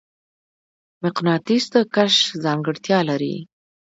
مقناطیس د کشش ځانګړتیا لري.